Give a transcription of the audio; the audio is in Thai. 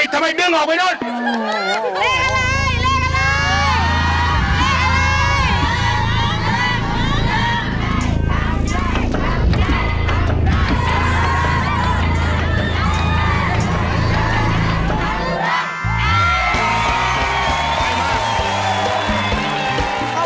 เย้โห้โห้โห้โห้